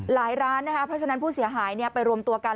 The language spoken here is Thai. ร้านนะคะเพราะฉะนั้นผู้เสียหายไปรวมตัวกัน